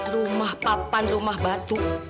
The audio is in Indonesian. rumah papan rumah batu